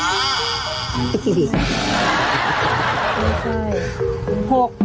นี่ค่ะ